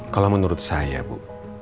kalau menurut saya bu